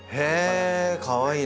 かわいい！